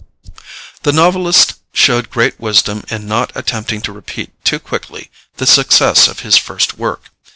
The novelist showed great wisdom in not attempting to repeat too quickly the success of his first work.